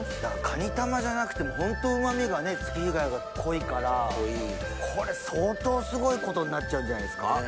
かに玉じゃなくてもホントうま味が月日貝が濃いからこれ相当すごいことになっちゃうんじゃないですか？